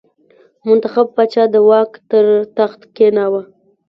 منتخب پاچا د واک پر تخت کېناوه.